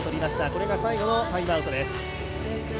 これが最後のタイムアウトです。